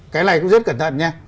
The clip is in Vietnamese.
cái này cũng rất cẩn thận nha